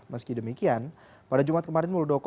meski demikian pada jumat kemarin muldoko